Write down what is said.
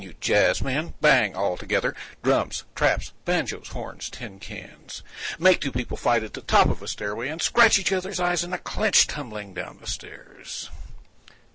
you jazzmen, bang altogether drums, traps, banjoes, horns, tin cans—make two people fight on the top of a stairway and scratch each other's eyes in a clinch tumbling down the stairs.